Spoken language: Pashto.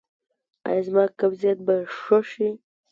ایا زما قبضیت به ښه شي؟